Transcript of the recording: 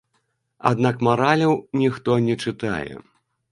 Аднак мараляў ніхто не чытае.